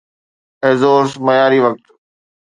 Azores معياري وقت